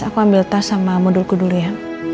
aku ambil tas sama modulku dulu ya